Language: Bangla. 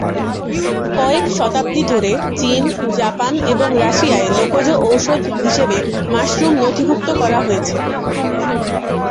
কয়েক শতাব্দী ধরে, চীন, জাপান এবং রাশিয়ায় লোকজ ওষুধ হিসাবে মাশরুম নথিভুক্ত করা হয়েছে।